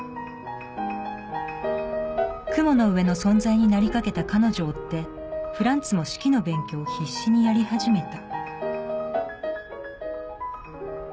雲の上の存在になりかけた彼女を追ってフランツも指揮の勉強を必死にやり始めた。